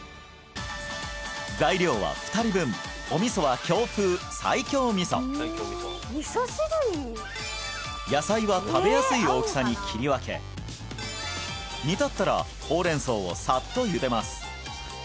材料は２人分お味噌は京風西京味噌野菜は食べやすい大きさに切り分け煮立ったらホウレンソウをさっとゆでます